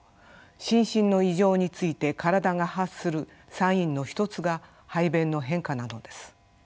心身の異常について体が発するサインの一つが排便の変化なのです。